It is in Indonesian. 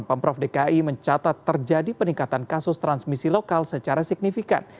pemprov dki mencatat terjadi peningkatan kasus transmisi lokal secara signifikan